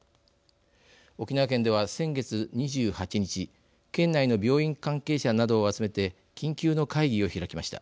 沖縄県では先月２８日県内の病院関係者などを集めて緊急の会議を開きました。